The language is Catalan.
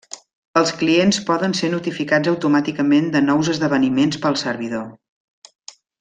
Els clients poden ser notificats automàticament de nous esdeveniments pel servidor.